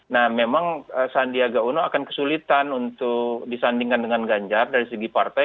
nah memang sandiaga uno akan kesulitan untuk disandingkan dengan ganjar dari segi partai